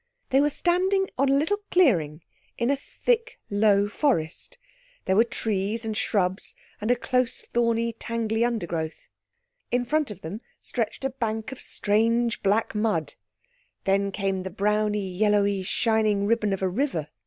They were standing on a little clearing in a thick, low forest; there were trees and shrubs and a close, thorny, tangly undergrowth. In front of them stretched a bank of strange black mud, then came the browny yellowy shining ribbon of a river.